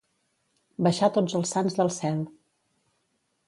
Baixar tots els sants del cel.